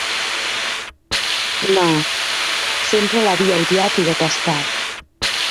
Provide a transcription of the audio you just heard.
Ma, sempre l"havia odiat i detestat.